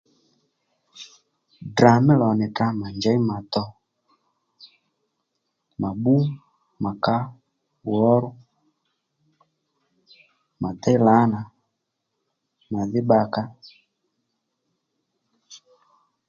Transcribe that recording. Ddrà mí lò nì tdrǎ mà njěy mà dò ma bbú màkǎ wǒru mà déy lǎnà màdhí bbakǎ